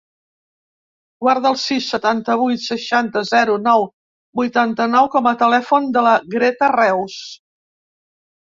Guarda el sis, setanta-vuit, seixanta, zero, nou, vuitanta-nou com a telèfon de la Greta Reus.